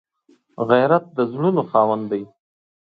غیرت د زړونو خاوند دی